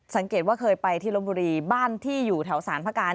สังเกตว่าเคยไปที่ลบบุรีบ้านที่อยู่แถวสารพระการ